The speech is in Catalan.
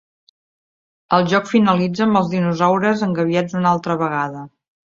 El joc finalitza amb els dinosaures engabiats una altra vegada.